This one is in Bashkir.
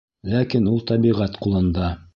Ләкин ул тәбиғәт ҡулында.